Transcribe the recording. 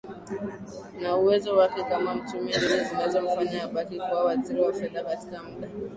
na uwezo wake kama mchumi ndizo zilizomfanya abaki kuwa Waziri wa Fedha katika muda